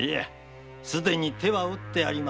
すでに手はうってあります。